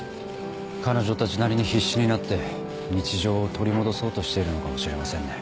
彼女たちなりに必死になって日常を取り戻そうとしているのかもしれませんね。